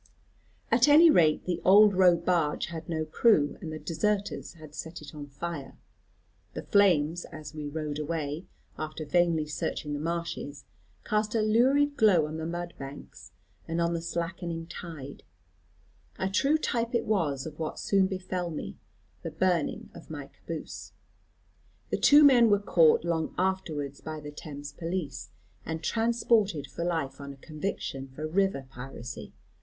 At any rate the "Old Row Barge" had no crew, and the deserters had set it on fire. The flames, as we rowed away, after vainly searching the marshes, cast a lurid glow on the mud banks, and on the slackening tide; a true type it was of what soon befell me the burning of my caboose. The two men were caught long afterwards by the Thames Police, and transported for life on a conviction for river piracy.